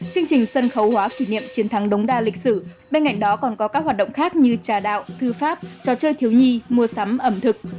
chương trình sân khấu hóa kỷ niệm chiến thắng đống đa lịch sử bên cạnh đó còn có các hoạt động khác như trà đạo thư pháp trò chơi thiếu nhi mua sắm ẩm thực